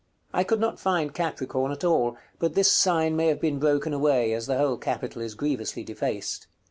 I could not find Capricorn at all; but this sign may have been broken away, as the whole capital is grievously defaced.